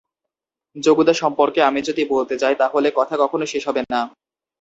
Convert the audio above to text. জগুদা সম্পর্কে আমি যদি বলতে যাই, তাহলে কথা কখনো শেষ হবে না।